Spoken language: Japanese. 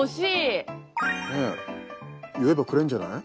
ねっ言えばくれるんじゃない？